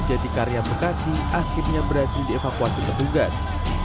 jadi karya bekasi akhirnya berhasil dievakuasi ketugas